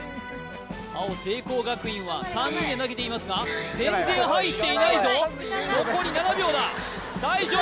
青聖光学院は３人で投げていますが全然入っていないぞ！